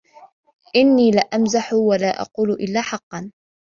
إنِّي لَأَمْزَحُ وَلَا أَقُولُ إلَّا حَقًّا